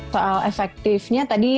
soal efektifnya tadi